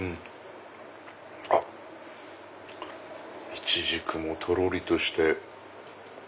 イチジクもとろりとして。